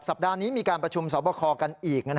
ปัดนี้มีการประชุมสอบคอกันอีก